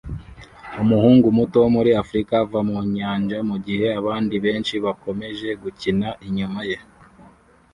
Umuhungu muto wo muri africa ava mu nyanja mugihe abandi benshi bakomeje gukina inyuma ye